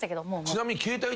ちなみに。